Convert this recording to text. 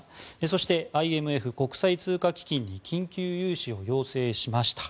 そして、ＩＭＦ・国際通貨基金に緊急融資を要請しました。